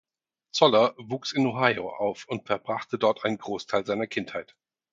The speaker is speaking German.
Zoller wuchs in Ohio auf und verbrachte dort einen Großteil seiner Kindheit.